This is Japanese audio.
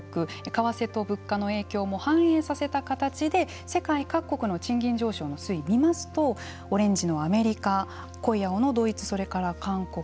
為替と物価の影響も反映させた形で世界各国の賃金上昇の推移を見ますとオレンジのアメリカ濃い青のドイツそれから韓国